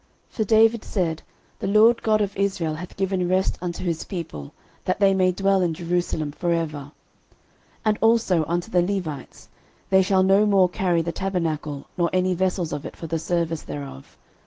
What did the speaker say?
13:023:025 For David said, The LORD God of Israel hath given rest unto his people, that they may dwell in Jerusalem for ever: 13:023:026 And also unto the Levites; they shall no more carry the tabernacle, nor any vessels of it for the service thereof.